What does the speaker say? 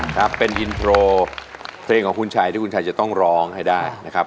ครับเป็นอินโทรเพลงของคุณชัยที่คุณชัยจะต้องร้องให้ได้นะครับ